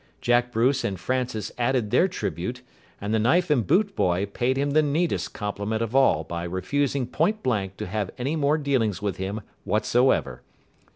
Jack Bruce and Francis added their tribute, and the knife and boot boy paid him the neatest compliment of all by refusing point blank to have any more dealings with him whatsoever.